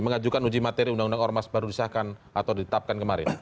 mengajukan uji materi undang undang ormas baru disahkan atau ditetapkan kemarin